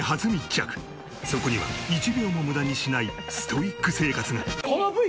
そこには１秒も無駄にしないストイック生活が。